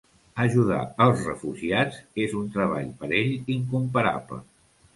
Ajudar els refugiats és un treball per ell incomparable.